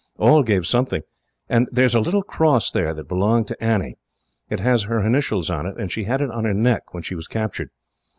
All gave something, and there is a little cross there that belonged to Annie. It has her initials on it, and she had it on her neck, when she was captured.